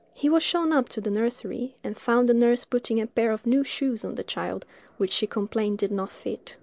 He was shown up to the nursery, and found the nurse putting a pair of new shoes on the child, which she complained did not fit.